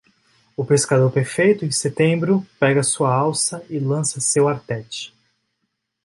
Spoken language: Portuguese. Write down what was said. O pescador perfeito, em setembro, pega sua alça e lança seu artete.